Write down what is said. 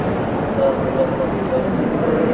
اترآ زولم مت ڪر